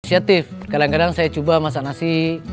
ini adalah inisiatif kadang kadang saya coba masak nasi